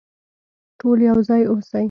ټول يو ځای اوسئ.